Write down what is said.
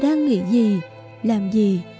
chẳng bao giờ mất đi